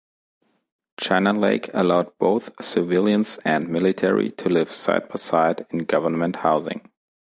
China Lake allowed both civilians and military to live side-by-side in government housing.